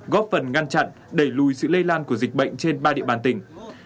góp phần ngăn chặn đẩy lùi sự lây lan của dịch bệnh trên ba địa bàn tỉnh